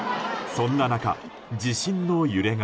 そんな中、地震の揺れが。